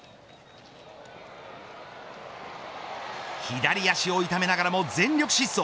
左足を痛めながらも全力疾走。